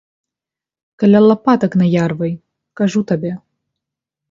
Каля лапатак наярвай, кажу табе!